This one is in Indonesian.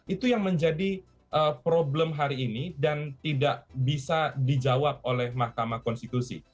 itu yang menjadi problem hari ini dan tidak bisa dijawab oleh mahkamah konstitusi